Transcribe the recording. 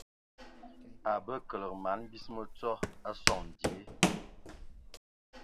A bə kəlǝg mana vis mǝtsɔ a sɔŋ dzie.